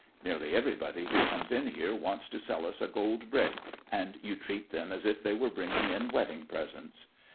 Nearly everybody who comes in here wants to sell us a gold brick, and you treat them as if they were bringing in wedding presents.